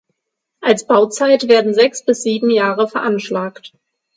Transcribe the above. Als Bauzeit werden sechs bis sieben Jahre veranschlagt.